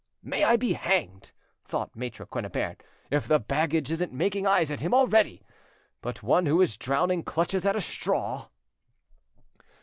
"May I be hanged!" thought Maitre Quennebert, "if the baggage isn't making eyes at him already! But one who is drowning clutches at a straw."